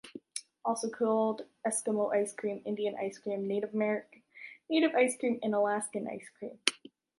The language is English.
Also called Eskimo ice cream, Indian ice cream, Native ice cream or Alaskan ice cream.